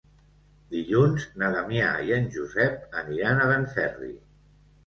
Dilluns na Damià i en Josep aniran a Benferri.